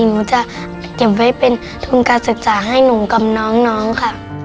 หนูจะเก็บไว้เป็นทุนการศึกษาให้หนูกับน้องค่ะ